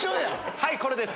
はいこれです。